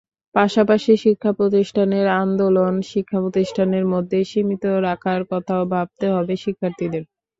পাশাপাশি, শিক্ষাপ্রতিষ্ঠানের আন্দোলন শিক্ষাপ্রতিষ্ঠানের মধ্যেই সীমিত রাখার কথাও ভাবতে হবে শিক্ষার্থীদের।